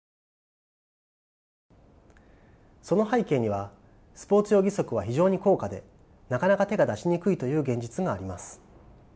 その背景にはスポーツ用義足は非常に高価でなかなか手が出しにくいという現実があります。